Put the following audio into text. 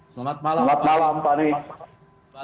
selamat malam pak karim